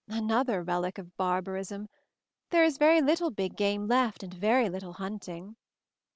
"Another relic of barbarism. There is very little big game left, and very little hunting."